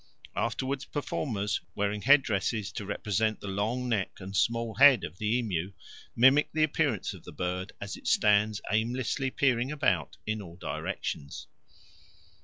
Afterwards performers, wearing head dresses to represent the long neck and small head of the emu, mimic the appearance of the bird as it stands aimlessly peering about in all directions.